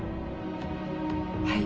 はい。